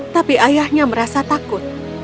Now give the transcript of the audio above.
tapi ayahnya merasa takut